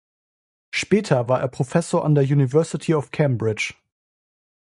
Später war er Professor an der University of Cambridge.